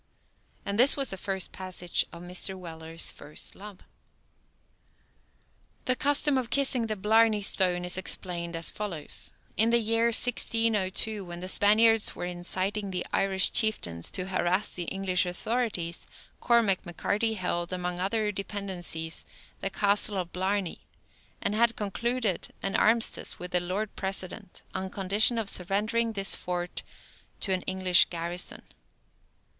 And this was the first passage of Mr. Weller's first love. The custom of kissing the Blarney Stone is explained as follows: In the year 1602, when the Spaniards were inciting the Irish chieftains to harass the English authorities, Cormac MacCarthy held, among other dependencies, the Castle of Blarney, and had concluded an armistice with the Lord President, on condition of surrendering this fort to an English garrison.